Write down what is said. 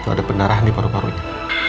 ada pendarahan di paru parunya